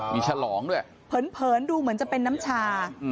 มีฉลองด้วยเผินดูเหมือนจะเป็นน้ำชา